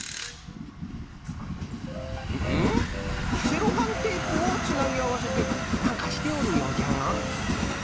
セロハンテープをつなぎあわせてなんかしておるようじゃが。